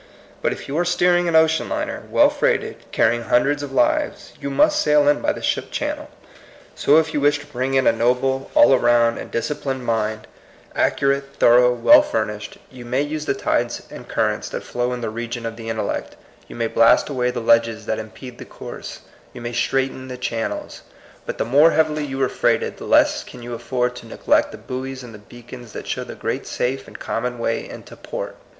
But if you are steering an ocean liner, well freighted, carrying hun dreds of lives, you must sail in by the ship channel. So if you wish to bring in a noble, all round, and disciplined mind, ac 84 THE COMING PEOPLE. " curate, thorough, well furnished, you may use the tides and currents that flow in the region of the intellect, you may blast away the ledges that impede the coui'se, you may straighten the channels ; but the more heav ily you are freighted the less can you afford to neglect the buoys and the beacons that show the great safe and common way into port.